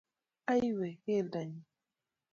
Aiyewe, keldo nyu !